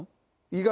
意外？